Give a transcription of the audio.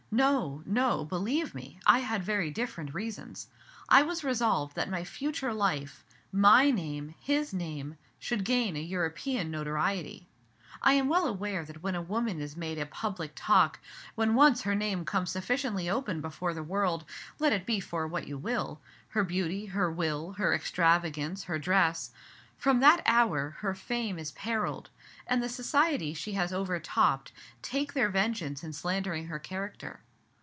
No, no; believe me, I had very different reasons. I was resolved that my future life, my name, his name, should gain a European notoriety. I am well aware that when a woman is made a public talk, when once her name comes sufficiently often before the world, let it be for what you will, her beauty, her will, her extravagance, her dress, from that hour her fame is perilled, and the society she has overtopped take their vengeance in slandering her character.